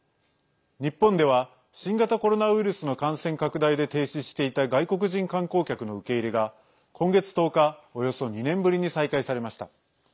日本では新型コロナウイルスの感染拡大で停止していた外国人観光客の受け入れが今月１０日およそ２年ぶりに再開されました。